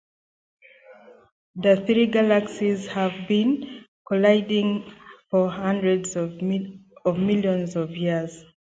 The three galaxies have been colliding for hundreds of millions of years.